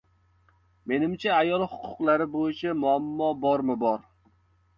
Menimcha, ayol huquqlari bo‘yicha muammo bormi, bor.